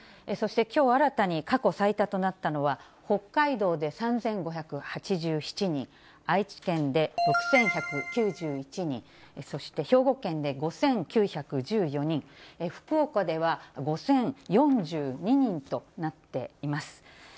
そしてきょう新たに過去最多となったのは、北海道で３５８７人、愛知県で６１９１人、そして兵庫県で５９１４人、福岡では５０４２人となっています。